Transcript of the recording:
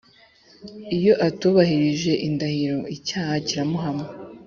Iyo atubahirije indahiro, icyaha kiramuhama,